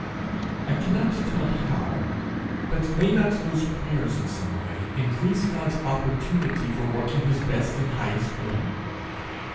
I cannot tell how, but may not those prayers in some way increase God's opportunity for working his best and highest will?